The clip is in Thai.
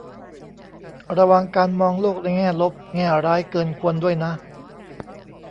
ระวังการมองโลกในแง่ลบแง่ร้ายเกินควรด้วยนะ